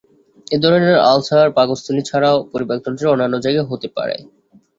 এ ধরনের আলসার পাকস্থলী ছাড়াও পরিপাকতন্ত্রের অন্যান্য জায়গায় হতে পারে।